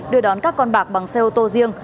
đưa đón các con bạc bằng xe ô tô riêng